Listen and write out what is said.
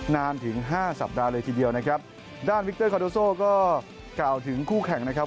นานถึงห้าสัปดาห์เลยทีเดียวนะครับด้านวิกเตอร์คอนโดโซก็กล่าวถึงคู่แข่งนะครับ